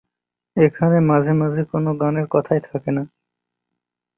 এখানে মাঝে মাঝে কোন গানের কথাই থাকে না।